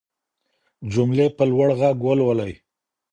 جملې په لوړ غږ ولولئ.